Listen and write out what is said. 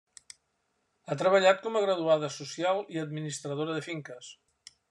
Ha treballat com a graduada social i administradora de finques.